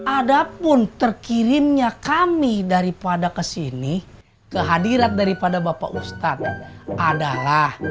ada pun terkirimnya kami daripada ke sini ke hadirat daripada bapak ustadz adalah